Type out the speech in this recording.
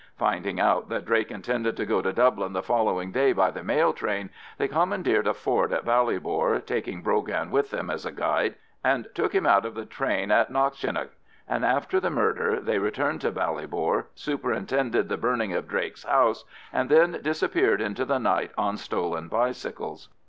Finding out that Drake intended to go to Dublin the following day by the mail train, they commandeered a Ford in Ballybor, taking Brogan with them as a guide, and took him out of the train at Knockshinnagh; and after the murder they returned to Ballybor, superintended the burning of Drake's house, and then disappeared into the night on stolen bicycles.